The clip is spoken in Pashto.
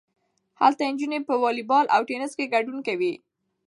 هلته نجونې په والی بال او ټینس کې ګډون کوي.